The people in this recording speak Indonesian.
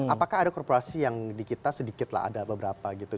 apakah ada korporasi yang di kita sedikit lah ada beberapa gitu